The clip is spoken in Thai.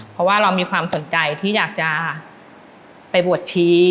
เพราะว่าเรามีความสนใจที่อยากจะไปบวชชี